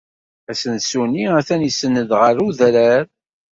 Asensu-nni atan isenned ɣer udrar.